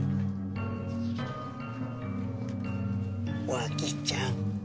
脇ちゃん。